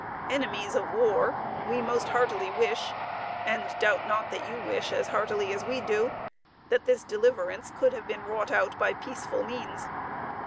"Enemies of war, we most heartily wish, and doubt not that you wish as heartily as we do, that this deliverance could have been wrought out by peaceful means.